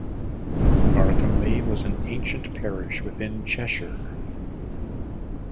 Barthomley was an ancient parish within Cheshire.